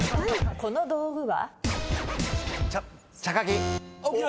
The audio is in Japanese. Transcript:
この道具は？